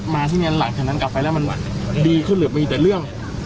ที่นี่หลังจากนั้นกลับไปแล้วมันดีขึ้นหรือมีแต่เรื่อง